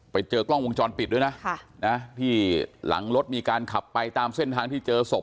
ไปเจอกล้องวงจรปิดด้วยนะที่หลังรถมีการขับไปตามเส้นทางที่เจอศพ